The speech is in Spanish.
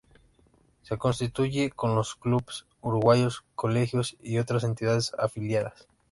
Se constituye con los clubes uruguayos, colegios y otras entidades afiliadas.